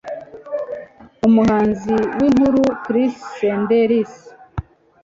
umuhanzi w'inkuru Chris Sanders.